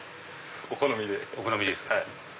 お好みで。